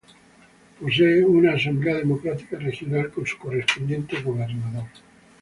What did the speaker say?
Posee una "Asamblea Democrática Regional" con su correspondiente gobernador.